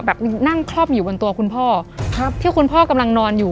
นั่งคลอบอยู่บนตัวคุณพ่อครับที่คุณพ่อกำลังนอนอยู่